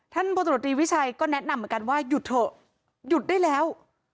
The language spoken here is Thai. ท่านบทรวจดีวิชัยก็แนะนำกันว่าหยุดเถอะหยุดได้แล้ว